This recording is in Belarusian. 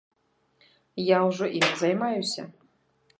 Я ўжо імі займаюся.